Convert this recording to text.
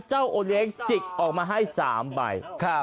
โอเลี้ยงจิกออกมาให้๓ใบ